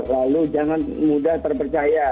lalu jangan mudah terpercaya